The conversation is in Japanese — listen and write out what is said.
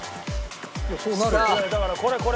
だからこれこれ！